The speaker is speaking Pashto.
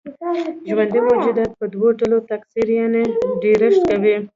ژوندي موجودات په دوه ډوله تکثر يعنې ډېرښت کوي.